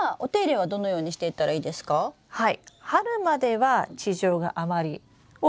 はい。